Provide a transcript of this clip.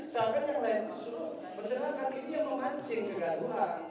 sekarang yang lain mendengarkan ini yang memancing kegaduhan